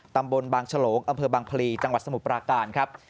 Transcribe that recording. ตำบลบางฉลงอำเภอบางพลีจังหวัดสมุทรปราการครับ